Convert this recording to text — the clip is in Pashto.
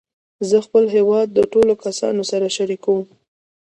زه خپل هېواد د ټولو کسانو سره شریکوم.